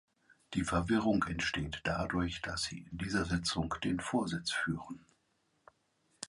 Die Verwirrung entsteht dadurch, dass Sie in dieser Sitzung den Vorsitz führen.